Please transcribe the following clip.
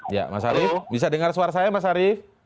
ya mas arief bisa dengar suara saya mas arief